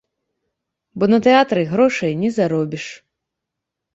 Бо на тэатры грошай не заробіш.